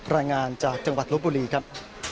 รายงานจากจังหวัดลบบุรีครับ